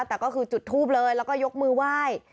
แต่ก็คือจุดทูบเลยแล้วก็ยกมือไหว้